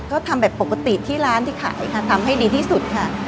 ก็ทำแบบปกติที่ร้านที่ขายค่ะทำให้ดีที่สุดค่ะ